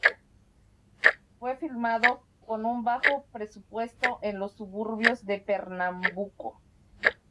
Fue filmado con un bajo presupuesto en los suburbios de Pernambuco.